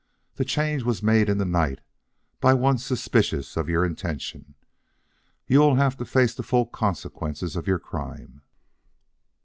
The change was made in the night, by one suspicious of your intention. You will have to face the full consequences of your crime."